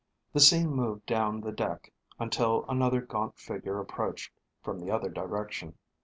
The scene moved down the deck, until another gaunt figure approached from the other direction.